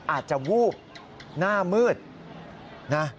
อาจจะวูบหน้ามืดนะ